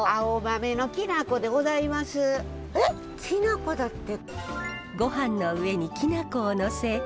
これは？えっきな粉だって。